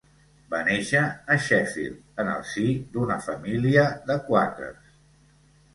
Va néixer a Sheffield en el si d'una família de quàquers.